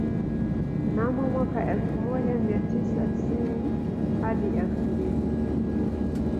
Mnamo mwaka elfu moja mia tisa tisini hadi elfu mbili